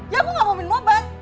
ya aku gak mau minum obat